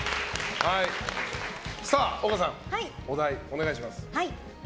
丘さん、お題をお願いします。